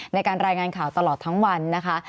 ในการรายงานข่าวตลอดทั้งวันนะคะ